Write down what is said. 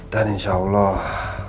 dan insya allah